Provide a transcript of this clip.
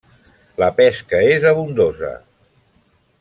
La pesca és abundosa.